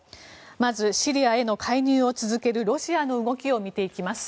まずシリアへの介入を続けるロシアの動きを見ていきます。